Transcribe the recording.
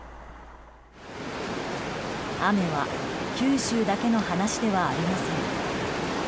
雨は九州だけの話ではありません。